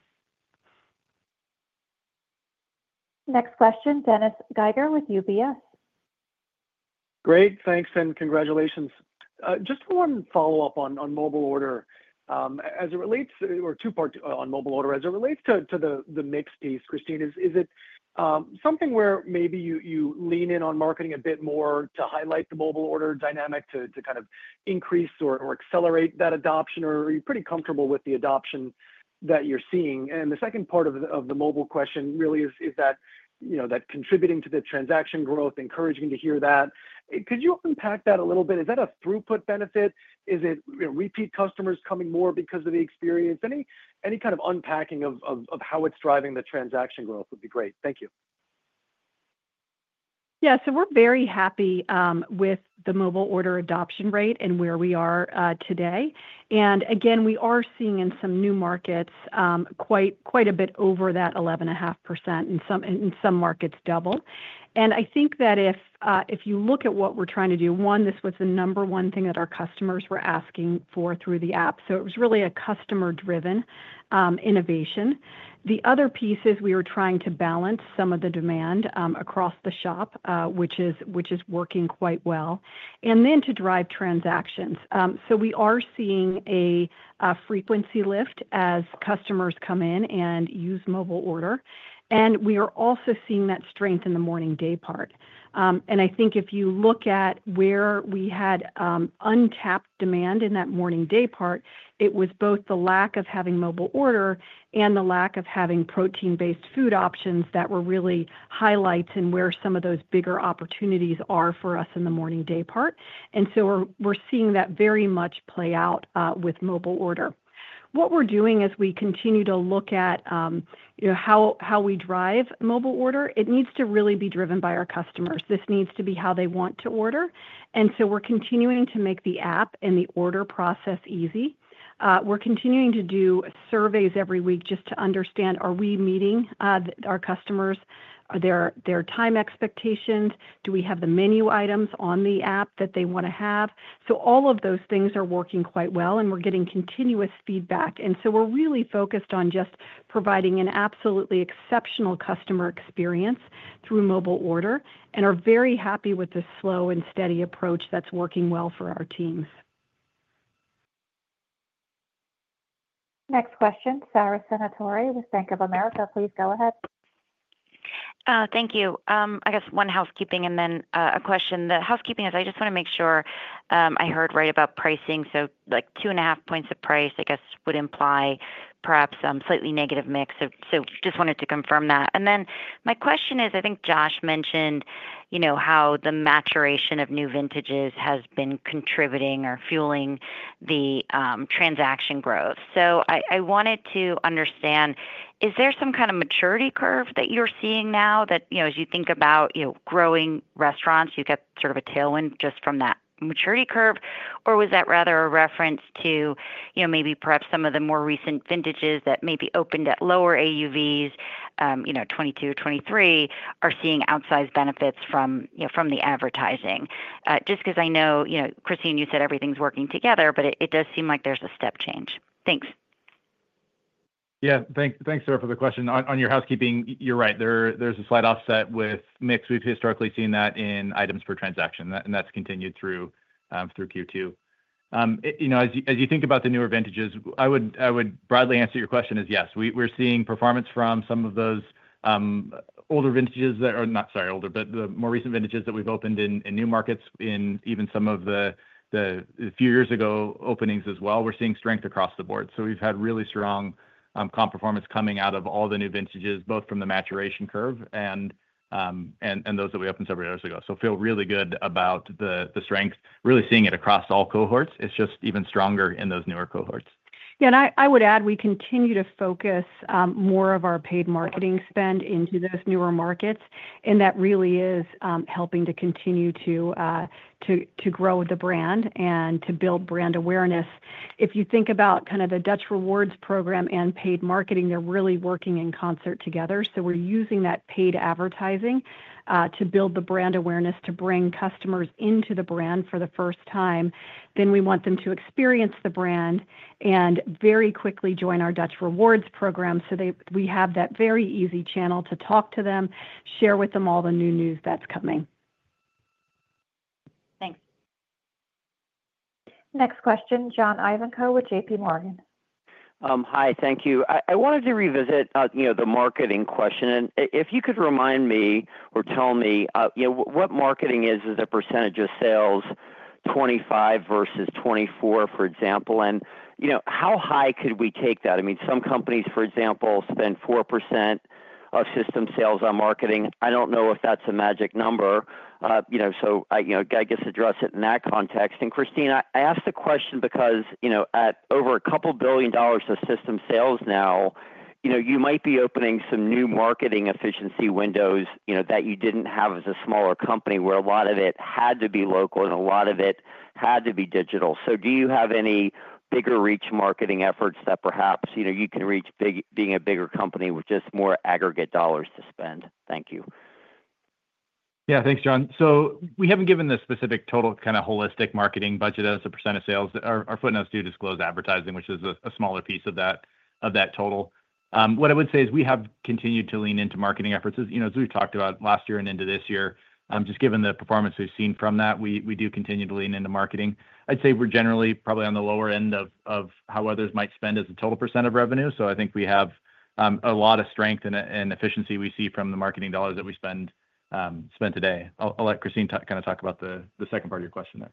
Next question, Dennis Geiger with UBS. Great. Thanks and congratulations. Just one follow-up on mobile order. As it relates to the mixed piece, Christine, is it something where maybe you lean in on marketing a bit more to highlight the mobile order dynamic to kind of increase or accelerate that adoption, or are you pretty comfortable with the adoption that you're seeing? The second part of the mobile question really is that, you know, that contributing to the transaction growth, encouraging to hear that. Could you unpack that a little bit? Is that a throughput benefit? Is it, you know, repeat customers coming more because of the experience? Any kind of unpacking of how it's driving the transaction growth would be great. Thank you. Yeah. We're very happy with the mobile order adoption rate and where we are today. We are seeing in some new markets quite a bit over that 11.5% and in some markets double. If you look at what we're trying to do, this was the number one thing that our customers were asking for through the app, so it was really a customer-driven innovation. The other piece is we were trying to balance some of the demand across the shop, which is working quite well, and then to drive transactions. We are seeing a frequency lift as customers come in and use mobile order. We are also seeing that strength in the morning day part. If you look at where we had untapped demand in that morning day part, it was both the lack of having mobile order and the lack of having protein-based food options that were really highlights and where some of those bigger opportunities are for us in the morning day part. We're seeing that very much play out with mobile order. What we're doing as we continue to look at how we drive mobile order, it needs to really be driven by our customers. This needs to be how they want to order. We're continuing to make the app and the order process easy. We're continuing to do surveys every week just to understand, are we meeting our customers, their time expectations? Do we have the menu items on the app that they want to have? All of those things are working quite well, and we're getting continuous feedback. We're really focused on just providing an absolutely exceptional customer experience through mobile order and are very happy with the slow and steady approach that's working well for our teams. Next question, Sara Senatore with Bank of America. Please go ahead. Thank you. I guess one housekeeping and then, a question. The housekeeping is I just want to make sure I heard right about pricing. So, like, 2.5 points of price, I guess, would imply perhaps some slightly negative mix. Just wanted to confirm that. My question is, I think Josh mentioned how the maturation of new vintages has been contributing or fueling the transaction growth. I wanted to understand, is there some kind of maturity curve that you're seeing now that, as you think about growing restaurants, you get sort of a tailwind just from that maturity curve, or was that rather a reference to maybe perhaps some of the more recent vintages that maybe opened at lower AUVs, 2022, 2023, are seeing outsized benefits from the advertising? Just because I know, Christine, you said everything's working together, but it does seem like there's a step change. Thanks. Yeah. Thanks. Thanks, Sara, for the question. On your housekeeping, you're right. There's a slight offset with mix. We've historically seen that in items per transaction, and that's continued through Q2. As you think about the newer vintages, I would broadly answer your question as yes. We're seeing performance from some of those more recent vintages that we've opened in new markets and even some of the few years ago openings as well. We're seeing strength across the board. We've had really strong comp performance coming out of all the new vintages, both from the maturation curve and those that we opened several years ago. I feel really good about the strength, really seeing it across all cohorts. It's just even stronger in those newer cohorts. Yeah. I would add we continue to focus more of our paid marketing spend into those newer markets, and that really is helping to continue to grow the brand and to build brand awareness. If you think about kind of the Dutch Rewards program and paid marketing, they're really working in concert together. We're using that paid advertising to build the brand awareness, to bring customers into the brand for the first time. We want them to experience the brand and very quickly join our Dutch Rewards program so we have that very easy channel to talk to them, share with them all the new news that's coming. Thanks. Next question, John Ivankoe with JPMorgan. Hi. Thank you. I wanted to revisit, you know, the marketing question. If you could remind me or tell me what marketing is as a percentage of sales, 2025 versus 2024, for example? How high could we take that? Some companies, for example, spend 4% of system sales on marketing. I don't know if that's a magic number, you know, so I guess address it in that context. Christine, I asked the question because at over a couple billion dollars of system sales now, you might be opening some new marketing efficiency windows that you didn't have as a smaller company where a lot of it had to be local and a lot of it had to be digital. Do you have any bigger reach marketing efforts that perhaps you can reach being a bigger company with just more aggregate dollars to spend? Thank you. Yeah. Thanks, John. We haven't given the specific total kind of holistic marketing budget as a percent of sales. Our footnotes do disclose advertising, which is a smaller piece of that total. What I would say is we have continued to lean into marketing efforts, as we've talked about last year and into this year. Just given the performance we've seen from that, we do continue to lean into marketing. I'd say we're generally probably on the lower end of how others might spend as a total percent of revenue. I think we have a lot of strength in efficiency we see from the marketing dollars that we spend today. I'll let Christine kind of talk about the second part of your question there.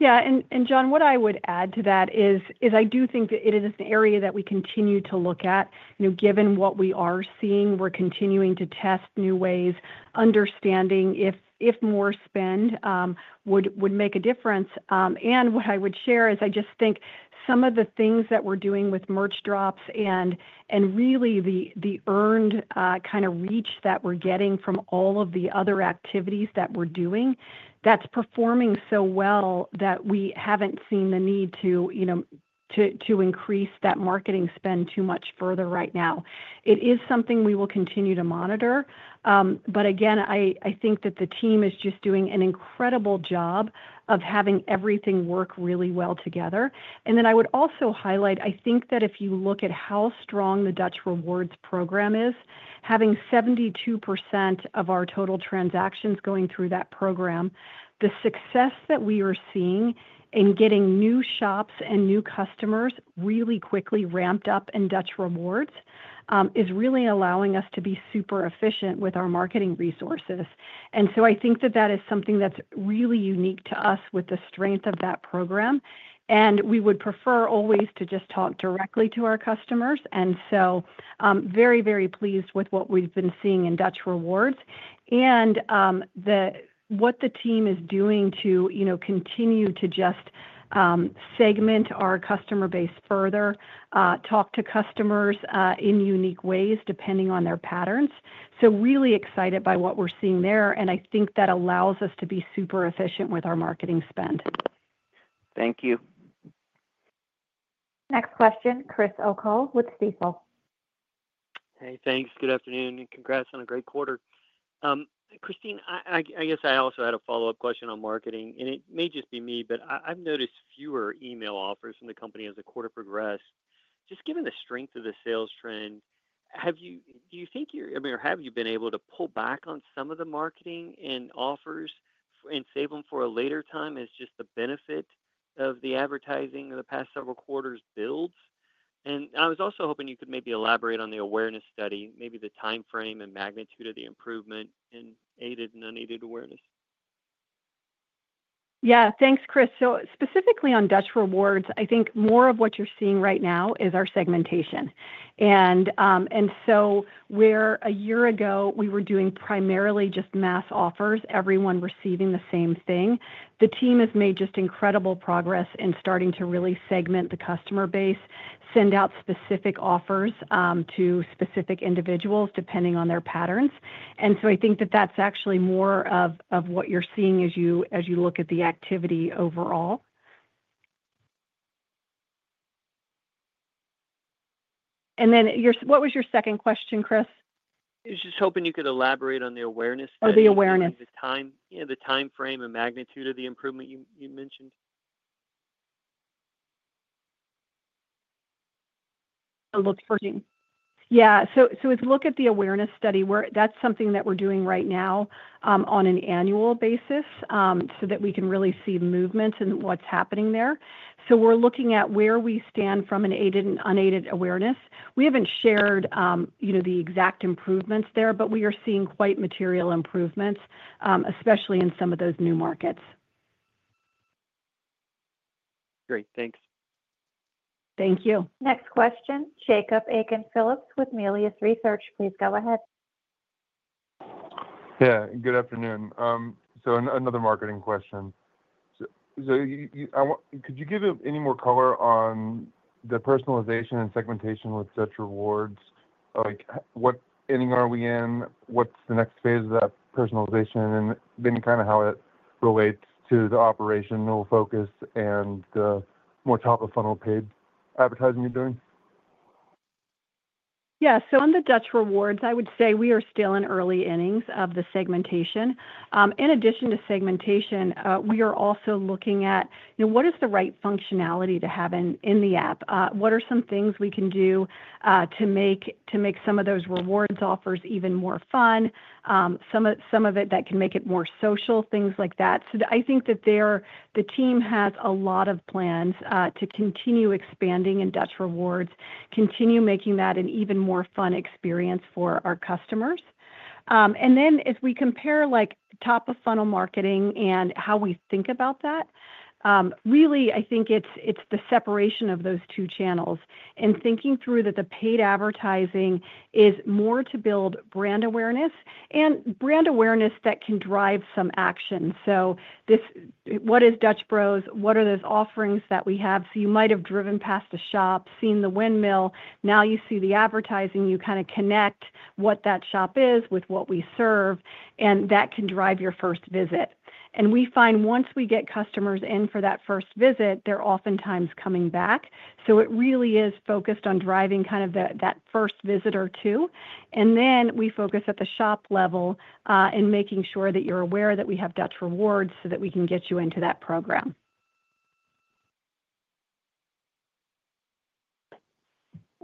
Yeah. John, what I would add to that is I do think that it is an area that we continue to look at. Given what we are seeing, we're continuing to test new ways, understanding if more spend would make a difference. What I would share is I just think some of the things that we're doing with merch drops and really the earned, kind of reach that we're getting from all of the other activities that we're doing, that's performing so well that we haven't seen the need to increase that marketing spend too much further right now. It is something we will continue to monitor. Again, I think that the team is just doing an incredible job of having everything work really well together. I would also highlight, I think that if you look at how strong the Dutch Rewards program is, having 72% of our total transactions going through that program, the success that we are seeing in getting new shops and new customers really quickly ramped up in Dutch Rewards is really allowing us to be super efficient with our marketing resources. I think that is something that's really unique to us with the strength of that program. We would prefer always to just talk directly to our customers. Very, very pleased with what we've been seeing in Dutch Rewards and what the team is doing to continue to just segment our customer base further, talk to customers in unique ways depending on their patterns. Really excited by what we're seeing there. I think that allows us to be super efficient with our marketing spend. Thank you. Next question, Christopher O'Cull with Stifel. Hey, thanks. Good afternoon. Congrats on a great quarter. Christine, I guess I also had a follow-up question on marketing, and it may just be me, but I've noticed fewer email offers from the company as the quarter progressed. Just given the strength of the sales trend, do you think you're, I mean, or have you been able to pull back on some of the marketing and offers and save them for a later time as just the benefit of the advertising of the past several quarters builds? I was also hoping you could maybe elaborate on the awareness study, maybe the timeframe and magnitude of the improvement in aided and unaided awareness. Yeah. Thanks, Chris. Specifically on Dutch Rewards, I think more of what you're seeing right now is our segmentation. Where a year ago, we were doing primarily just mass offers, everyone receiving the same thing, the team has made just incredible progress in starting to really segment the customer base, send out specific offers to specific individuals depending on their patterns. I think that that's actually more of what you're seeing as you look at the activity overall. What was your second question, Chris? I was just hoping you could elaborate on the awareness study. Oh, the awareness. The timeframe and magnitude of the improvement you mentioned. Look for. Christine. As we look at the awareness study, that's something that we're doing right now on an annual basis, so that we can really see movements in what's happening there. We're looking at where we stand from an aided and unaided awareness. We haven't shared, you know, the exact improvements there, but we are seeing quite material improvements, especially in some of those new markets. Great. Thanks. Thank you. Next question, Jacob Aiken-Phillips with Melius Research. Please go ahead. Good afternoon. Another marketing question. Could you give any more color on the personalization and segmentation with Dutch Rewards? What ending are we in? What's the next phase of that personalization and then kind of how it relates to the operational focus and the more top-of-funnel paid advertising you're doing? Yeah. On the Dutch Rewards, I would say we are still in early innings of the segmentation. In addition to segmentation, we are also looking at, you know, what is the right functionality to have in the app, what are some things we can do to make some of those rewards offers even more fun, some of it that can make it more social, things like that. I think that the team has a lot of plans to continue expanding in Dutch Rewards, continue making that an even more fun experience for our customers. As we compare top-of-funnel marketing and how we think about that, really, I think it's the separation of those two channels and thinking through that the paid advertising is more to build brand awareness and brand awareness that can drive some action. What is Dutch Bros? What are those offerings that we have? You might have driven past the shop, seen the windmill. Now you see the advertising, you kind of connect what that shop is with what we serve, and that can drive your first visit. We find once we get customers in for that first visit, they're oftentimes coming back. It really is focused on driving kind of that first visitor too. We focus at the shop level, in making sure that you're aware that we have Dutch Rewards so that we can get you into that program.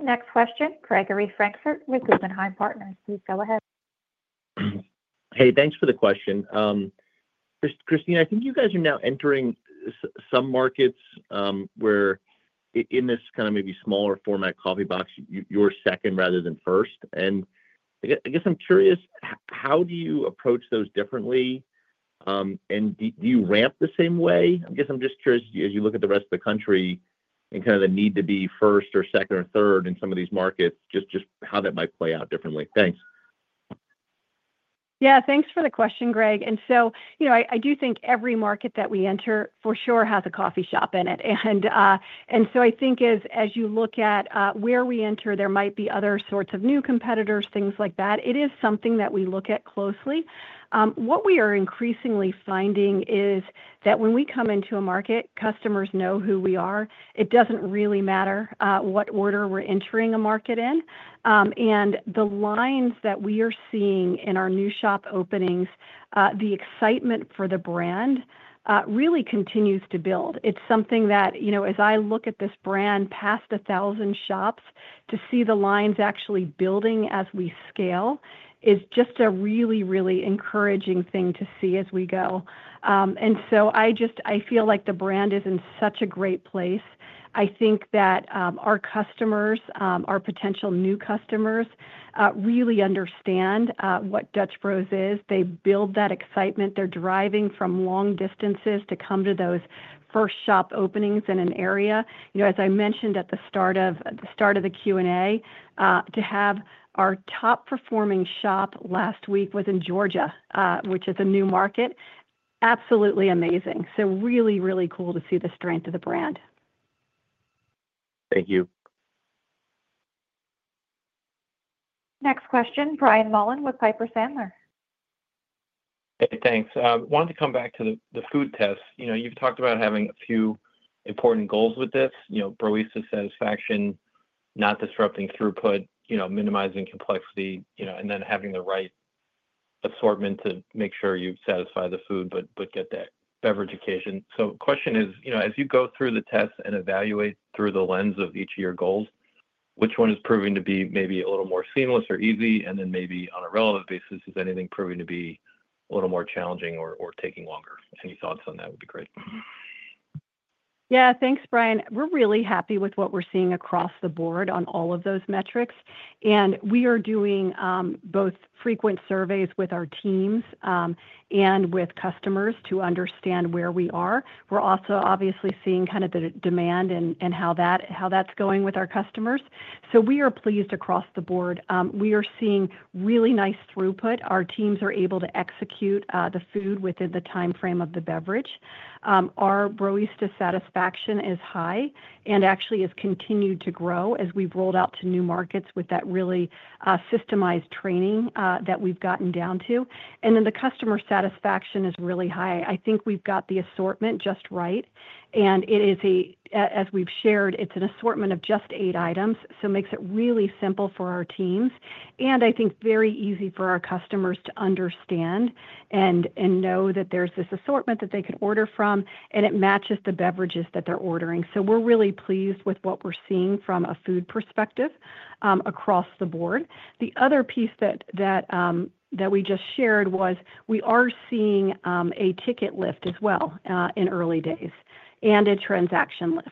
Next question, Gregory Francfort with Guggenheim Partners. Please go ahead. Hey, thanks for the question. Christine, I think you guys are now entering some markets where in this kind of maybe smaller format coffee box, you're second rather than first. I guess I'm curious, how do you approach those differently, and do you ramp the same way? I guess I'm just curious, as you look at the rest of the country and the need to be first or second or third in some of these markets, just how that might play out differently. Thanks. Thanks for the question, Greg. I do think every market that we enter for sure has a coffee shop in it, and I think as you look at where we enter, there might be other sorts of new competitors, things like that. It is something that we look at closely. What we are increasingly finding is that when we come into a market, customers know who we are. It doesn't really matter what order we're entering a market in, and the lines that we are seeing in our new shop openings, the excitement for the brand, really continues to build. It's something that, as I look at this brand past 1,000 shops, to see the lines actually building as we scale is just a really, really encouraging thing to see as we go. I feel like the brand is in such a great place. I think that our customers, our potential new customers, really understand what Dutch Bros is. They build that excitement. They're driving from long distances to come to those first shop openings in an area. As I mentioned at the start of the Q&A, to have our top-performing shop last week was in Georgia, which is a new market. Absolutely amazing. Really, really cool to see the strength of the brand. Thank you. Next question, Brian Mullan with Piper Sandler. Hey, thanks. I wanted to come back to the food tests. You know, you've talked about having a few important goals with this: barista satisfaction, not disrupting throughput, minimizing complexity, and then having the right assortment to make sure you satisfy the food, but get that beverage occasion. The question is, as you go through the tests and evaluate through the lens of each of your goals, which one is proving to be maybe a little more seamless or easy, and then maybe on a relative basis, is anything proving to be a little more challenging or taking longer? Any thoughts on that would be great. Yeah. Thanks, Brian. We're really happy with what we're seeing across the board on all of those metrics. We are doing both frequent surveys with our teams and with customers to understand where we are. We're also obviously seeing kind of the demand and how that's going with our customers. We are pleased across the board. We are seeing really nice throughput. Our teams are able to execute the food within the timeframe of the beverage. Our barista satisfaction is high and actually has continued to grow as we've rolled out to new markets with that really systemized training that we've gotten down to. The customer satisfaction is really high. I think we've got the assortment just right. It is, as we've shared, an assortment of just eight items, so it makes it really simple for our teams and, I think, very easy for our customers to understand and know that there's this assortment that they can order from, and it matches the beverages that they're ordering. We're really pleased with what we're seeing from a food perspective across the board. The other piece that we just shared was we are seeing a ticket lift as well in early days and a transaction lift.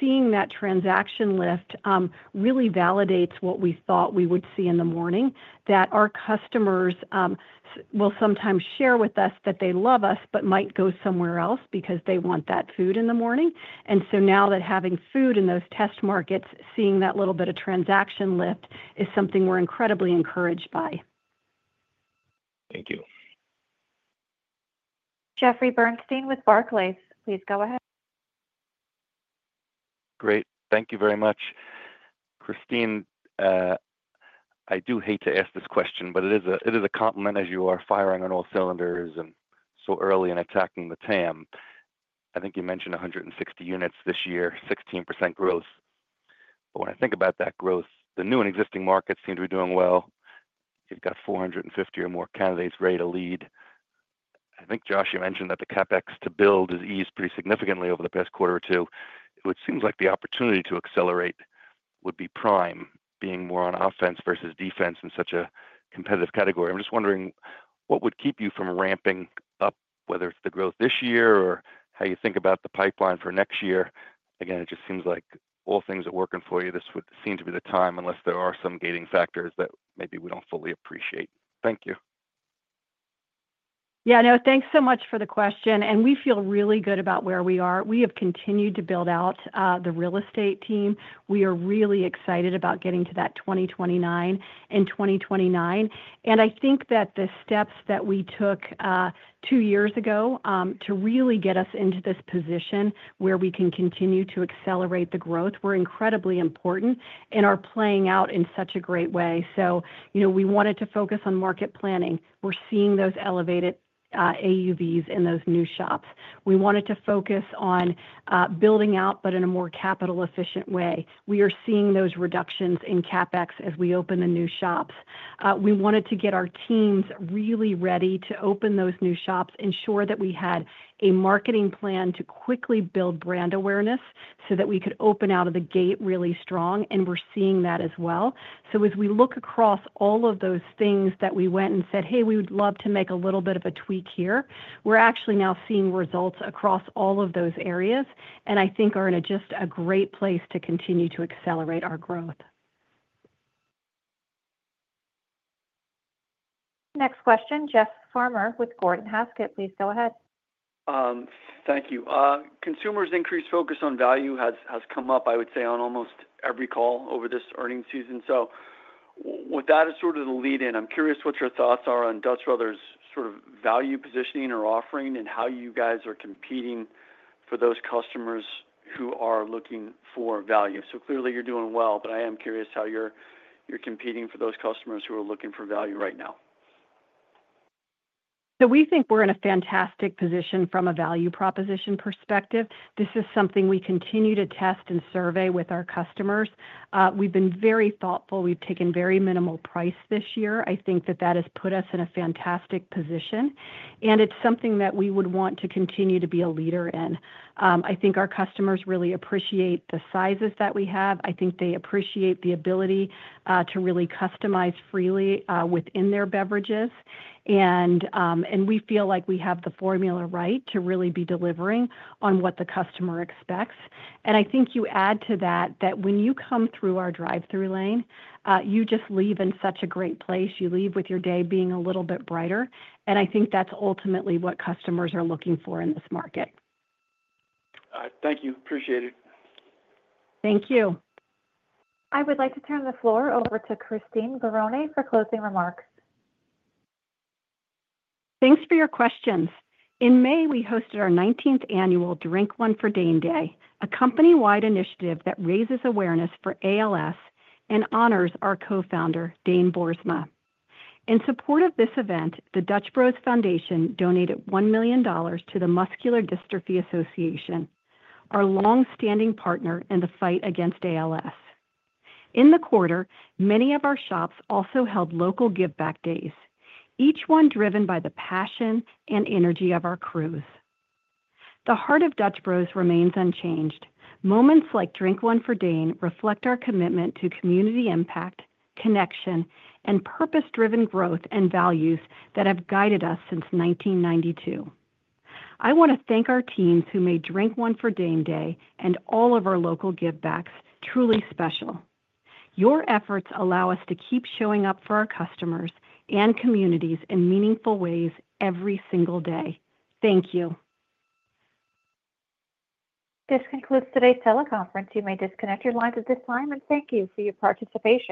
Seeing that transaction lift really validates what we thought we would see in the morning, that our customers will sometimes share with us that they love us but might go somewhere else because they want that food in the morning. Now that having food in those test markets, seeing that little bit of transaction lift is something we're incredibly encouraged by. Thank you. Jeffrey Bernstein with Barclays. Please go ahead. Great. Thank you very much. Christine, I do hate to ask this question, but it is a compliment as you are firing on all cylinders and so early in attacking the TAM. I think you mentioned 160 units this year, 16% growth. When I think about that growth, the new and existing markets seem to be doing well. You've got 450 or more candidates ready to lead. I think, Josh, you mentioned that the CapEx to build is eased pretty significantly over the past quarter or two, which seems like the opportunity to accelerate would be prime, being more on offense versus defense in such a competitive category. I'm just wondering what would keep you from ramping up, whether it's the growth this year or how you think about the pipeline for next year. It just seems like all things are working for you. This would seem to be the time unless there are some gating factors that maybe we don't fully appreciate. Thank you. Thank you so much for the question. We feel really good about where we are. We have continued to build out the real estate team. We are really excited about getting to that 2029 in 2029. I think that the steps that we took two years ago to really get us into this position where we can continue to accelerate the growth were incredibly important and are playing out in such a great way. We wanted to focus on market planning. We're seeing those elevated AUVs in those new shops. We wanted to focus on building out, but in a more capital-efficient way. We are seeing those reductions in CapEx as we open the new shops. We wanted to get our teams really ready to open those new shops, ensure that we had a marketing plan to quickly build brand awareness so that we could open out of the gate really strong, and we're seeing that as well. As we look across all of those things that we went and said, "Hey, we would love to make a little bit of a tweak here," we're actually now seeing results across all of those areas and I think are in just a great place to continue to accelerate our growth. Next question, Jeff Farmer with Gordon Haskett. Please go ahead. Thank you. Consumers' increased focus on value has come up, I would say, on almost every call over this earnings season. With that as sort of the lead-in, I'm curious what your thoughts are on Dutch Bros' sort of value positioning or offering and how you guys are competing for those customers who are looking for value. Clearly, you're doing well, but I am curious how you're competing for those customers who are looking for value right now. We think we're in a fantastic position from a value proposition perspective. This is something we continue to test and survey with our customers. We've been very thoughtful. We've taken very minimal price this year. I think that has put us in a fantastic position, and it's something that we would want to continue to be a leader in. I think our customers really appreciate the sizes that we have. I think they appreciate the ability to really customize freely within their beverages, and we feel like we have the formula right to really be delivering on what the customer expects. I think you add to that that when you come through our drive-through lane, you just leave in such a great place. You leave with your day being a little bit brighter. I think that's ultimately what customers are looking for in this market. All right. Thank you. Appreciate it. Thank you. I would like to turn the floor over to Christine Barone for closing remarks. Thanks for your questions. In May, we hosted our 19th Annual Drink One for Dane Day, a company-wide initiative that raises awareness for ALS and honors our Co-Founder, Dane Boersma. In support of this event, the Dutch Bros Foundation donated $1 million to the Muscular Dystrophy Association, our longstanding partner in the fight against ALS. In the quarter, many of our shops also held local give-back days, each one driven by the passion and energy of our crews. The heart of Dutch Bros remains unchanged. Moments like Drink One for Dane reflect our commitment to community impact, connection, and purpose-driven growth and values that have guided us since 1992. I want to thank our teams who made Drink One for Dane Day and all of our local give-backs truly special. Your efforts allow us to keep showing up for our customers and communities in meaningful ways every single day. Thank you. This concludes today's teleconference. You may disconnect your lines at this time, and thank you for your participation.